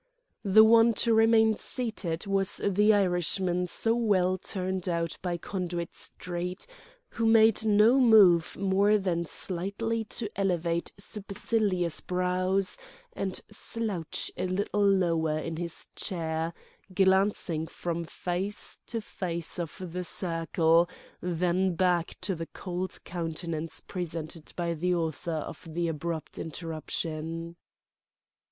The one to remain seated was the Irishman so well turned out by Conduit Street; who made no move more than slightly to elevate supercilious brows and slouch a little lower in his chair, glancing from face to face of the circle, then back to the cold countenance presented by the author of the abrupt interruption.